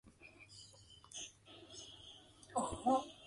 In doing this, they offer the benefits of maturity and risk transformation.